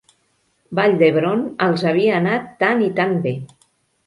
Vall d'Hebron els havien anat tan i tan bé.